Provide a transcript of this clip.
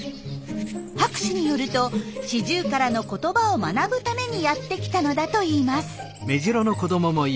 博士によるとシジュウカラの言葉を学ぶためにやってきたのだといいます。